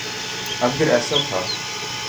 اگر ایسا تھا۔